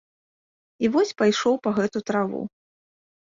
І вось пайшоў па гэту траву.